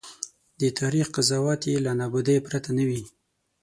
د تاریخ قضاوت یې له نابودۍ پرته نه وي.